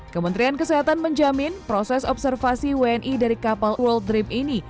kementerian kesehatan menjamin proses observasi wni dari kapal world dream ini